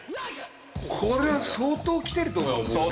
これは相当きてると俺は思うね。